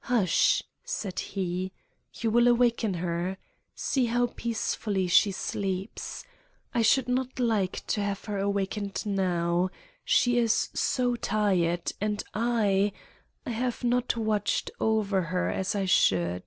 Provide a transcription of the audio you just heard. "Hush!" said he; "you will awaken her. See how peacefully she sleeps! I should not like to have her awakened now, she is so tired, and I—I have not watched over her as I should."